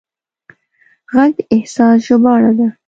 غږ د احساس ژباړه ده